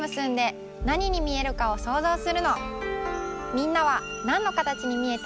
みんなはなんのかたちにみえた？